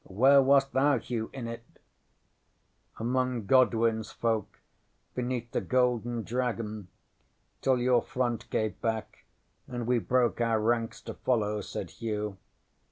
Where wast thou, Hugh, in it? ŌĆØ ŌĆśŌĆ£Among GodwinŌĆÖs folk beneath the Golden Dragon till your front gave back, and we broke our ranks to follow, ŌĆØ said Hugh.